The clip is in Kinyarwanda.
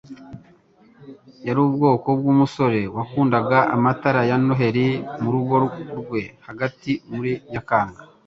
Yari ubwoko bwumusore wakundaga amatara ya Noheri murugo rwe hagati muri Nyakanga.